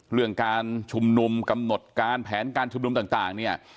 เรื่องการชุมนุมกำหนดการแผนการชุมนุมต่างเนี่ย